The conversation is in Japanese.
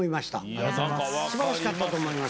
ありがとうございます。